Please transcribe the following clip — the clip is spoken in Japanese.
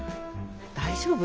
大丈夫？